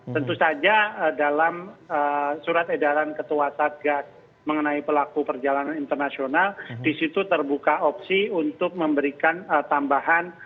tentu saja dalam surat edaran ketua satgas mengenai pelaku perjalanan internasional disitu terbuka opsi untuk memberikan tambahan